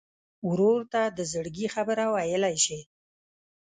ورور ته د زړګي خبره ویلی شې.